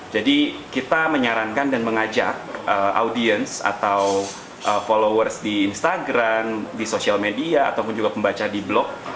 jadi kita menyarankan dan mengajak audience atau followers di instagram di social media ataupun juga pembaca di blog